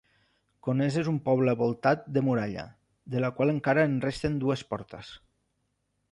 Conesa és un poble voltat de muralla, de la qual encara en resten dues portes.